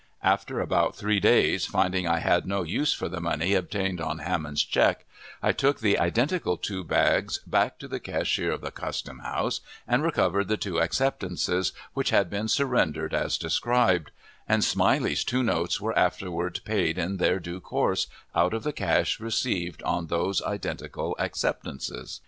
After about three days, finding I had no use for the money obtained on Hammond's check, I took the identical two bags back to the cashier of the Custom House, and recovered the two acceptances which had been surrendered as described; and Smiley's two notes were afterward paid in their due course, out of the cash received on those identical acceptances.